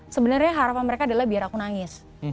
sebenarnya harapan mereka adalah biar aku nangis